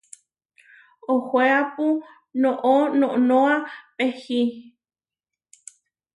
Ohoéapu noʼó noʼnóa pehi.